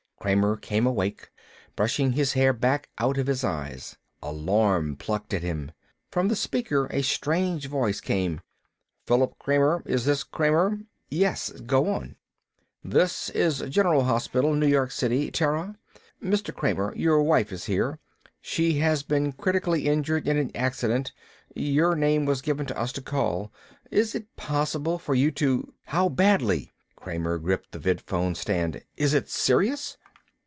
Kramer came awake, brushing his hair back out of his eyes. Alarm plucked at him. From the speaker a strange voice came. "Philip Kramer? Is this Kramer?" "Yes. Go on." "This is General Hospital, New York City, Terra. Mr. Kramer, your wife is here. She has been critically injured in an accident. Your name was given to us to call. Is it possible for you to " "How badly?" Kramer gripped the vidphone stand. "Is it serious?"